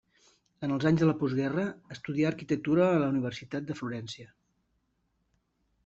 En els anys de la postguerra estudià arquitectura a la Universitat de Florència.